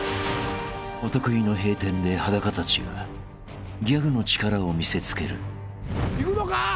［お得意の閉店で裸たちがギャグの力を見せつける］いくのか？